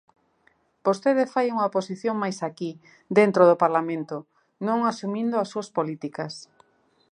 Vostede fai unha oposición máis aquí, dentro do Parlamento, non asumindo as súas políticas.